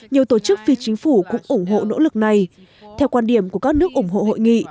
nhiều tổ chức phi chính phủ cũng ủng hộ nỗ lực này theo quan điểm của các nước ủng hộ hội nghị